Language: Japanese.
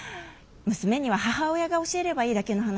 娘には母親が教えればいいだけの話では？